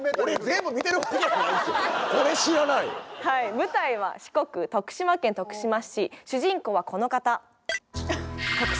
舞台は四国徳島県徳島市主人公はこの方。